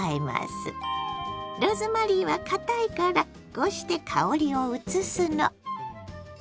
ローズマリーはかたいからこうして香りをうつすの。